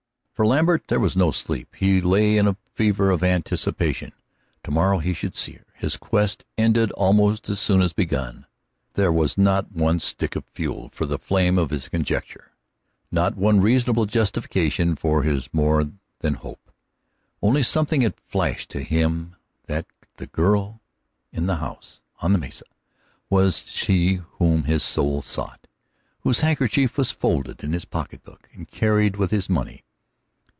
For Lambert there was no sleep. He lay in a fever of anticipation. Tomorrow he should see her, his quest ended almost as soon as begun. There was not one stick of fuel for the flame of this conjecture, not one reasonable justification for his more than hope. Only something had flashed to him that the girl in the house on the mesa was she whom his soul sought, whose handkerchief was folded in his pocketbook and carried with his money.